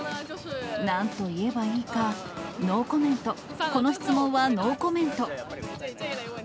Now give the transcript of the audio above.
なんと言えばいいか、ノーコメント、この質問はノーコメント。